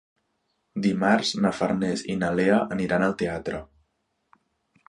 Dimarts na Farners i na Lea aniran al teatre.